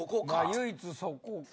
唯一そこか。